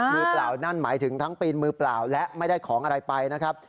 เปล่านั่นหมายถึงทั้งปีนมือเปล่าและไม่ได้ของอะไรไปนะครับ